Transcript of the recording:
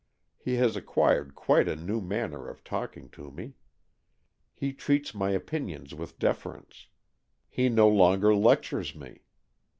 He has acquired quite a new manner of talking to me. He treats my opinions with deference. He no longer lectures me.